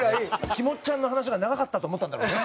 きもっちゃんの話が長かったと思ったんだろうね。